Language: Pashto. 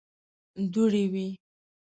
دوړې وې.